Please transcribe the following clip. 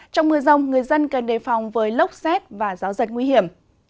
trong mưa rông người dân cần đề phòng với lốc xét và gió giật nguy hiểm